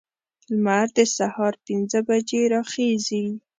لمر د سهار پنځه بجې راخیزي.